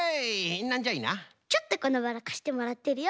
ちょっとこのバラかしてもらってるよ。